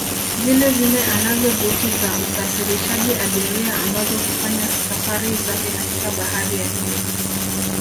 Vilevile anazo boti za usafirishaji abiria ambazo hufanya safari zake katika Bahari ya Hindi